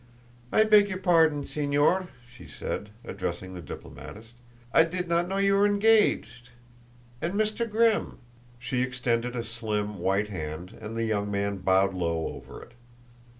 "I beg your pardon, Señor," she said, addressing the diplomatist. "I did not know you were engaged. And Mr. Grimm!" She extended a slim, white hand, and the young man bowed low over it.